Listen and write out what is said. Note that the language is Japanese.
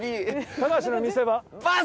高橋の見せ場。